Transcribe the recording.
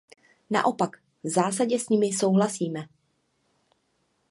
Naopak, v zásadě s nimi souhlasíme.